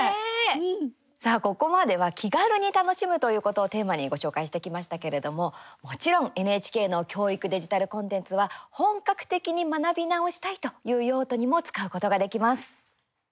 さあ、ここまでは気軽に楽しむということをテーマにご紹介してきましたけれどももちろんＮＨＫの教育デジタルコンテンツは本格的に学び直したいという用途にも使うことができます。